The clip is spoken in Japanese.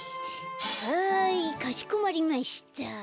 はいかしこまりました。